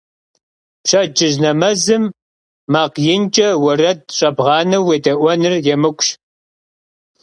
Pşedcıj nemezım makh yinç'e vuered ş'ebğaneu vuêde'uenır yêmık'uş.